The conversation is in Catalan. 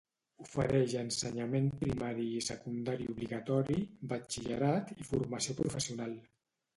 Ofereix ensenyament primari i secundari obligatori, batxillerat i formació professional.